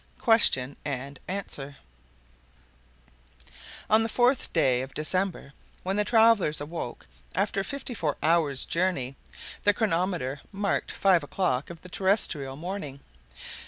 QUESTION AND ANSWER On the 4th of December, when the travelers awoke after fifty four hours' journey, the chronometer marked five o'clock of the terrestrial morning.